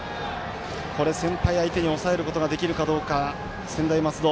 先輩相手に抑えることができるかどうか専大松戸。